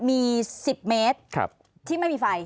มี๑๐เมตรที่ไม่มีไฟ